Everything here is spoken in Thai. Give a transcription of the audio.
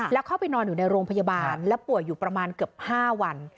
แล้วเข้าไปนอนอยู่ในโรงพยาบาลและป่วยอยู่ประมาณเกือบ๕วัน